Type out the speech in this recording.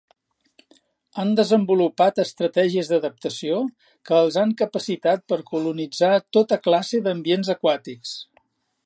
Han desenvolupat estratègies d'adaptació que els han capacitat per colonitzar tota classe d'ambients aquàtics.